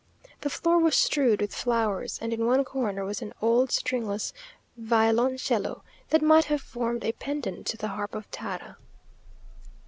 The floor was strewed with flowers, and in one corner was an old stringless violoncello, that might have formed a pendant to the harp of Tara.